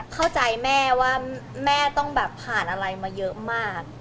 เข้าใจแม่ว่าแม่ต้องแบบผ่านอะไรมาเยอะมาก